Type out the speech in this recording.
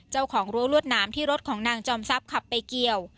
เจ้าของรัวรวดน้ำที่รถของนางจอมซับขับไปเกี่ยว